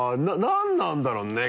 何なんだろうね